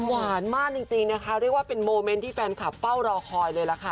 หวานมากจริงนะคะเรียกว่าเป็นโมเมนต์ที่แฟนคลับเฝ้ารอคอยเลยล่ะค่ะ